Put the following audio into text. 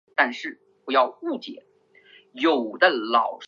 总会在中华人民共和国共产党政府禁止赌博和赛马后关闭。